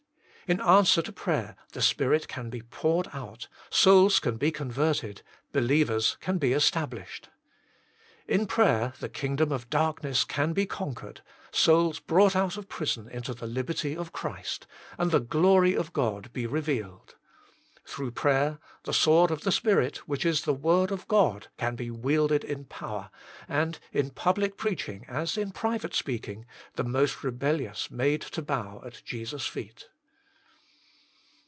In answer to prayer the Spirit can be poured out, souls can be converted, believers can be established. In prayer the kingdom of darkness can be conquered, souls brought out of prison into the liberty of Christ, and the glory of God be revealed. Through prayer, the sword of the Spirit, which is the Word of God, can be wielded in power, and, in public preaching as in private speaking, the most rebellious made to bow at Jesus feet.